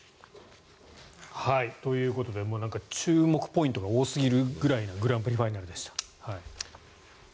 ということで注目ポイントが多すぎるぐらいなグランプリファイナルでした。